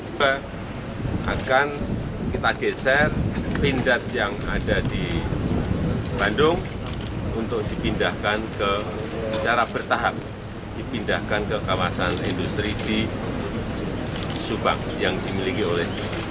juga akan kita geser pindad yang ada di bandung untuk dipindahkan secara bertahap dipindahkan ke kawasan industri di subang yang dimiliki oleh